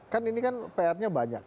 kan ini kan prnya banyak